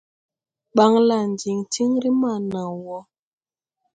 Ɓanlan diŋ tiŋri ma naw wɔ.